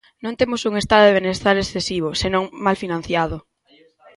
Non temos un Estado de benestar excesivo, senón mal financiado.